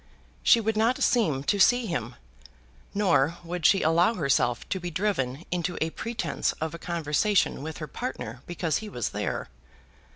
She would not seem to see him, nor would she allow herself to be driven into a pretence of a conversation with her partner because he was there.